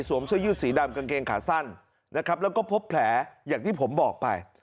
เสื้อยืดสีดำกางเกงขาสั้นนะครับแล้วก็พบแผลอย่างที่ผมบอกไป